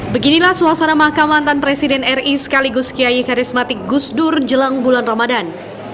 beginilah suasana makam antan presiden ri sekaligus kiai karismatik gusdur jelang bulan ramadhan